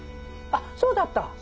あっそうだった！